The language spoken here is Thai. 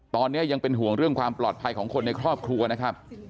ตอนนี้ยังเป็นห่วงเรื่องความปลอดภัยของคนในครอบครัวนะครับ